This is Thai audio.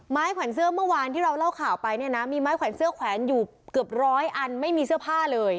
ขวัญเสื้อเมื่อวานที่เราเล่าข่าวไปเนี่ยนะมีไม้แขวนเสื้อแขวนอยู่เกือบร้อยอันไม่มีเสื้อผ้าเลย